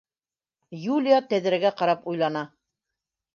Юлия тәҙрәгә ҡарап уйлана.